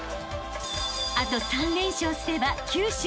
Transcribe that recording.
［あと３連勝すれば九州